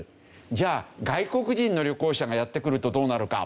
じゃあ外国人の旅行者がやって来るとどうなるか。